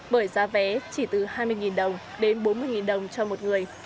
bởi giá vé chỉ từ hai mươi đồng đến bốn mươi đồng cho một người